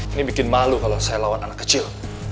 ini bikin malu kalau saya lawan anak kecil